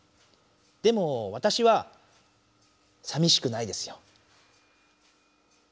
でもわたしはさみしくないですよ。